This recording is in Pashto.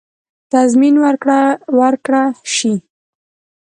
تضمین ورکړه شي.